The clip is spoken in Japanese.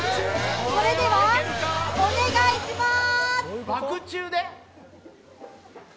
それでは、お願いします。